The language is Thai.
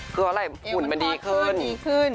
คืออะไรฝุ่นมันดีขึ้น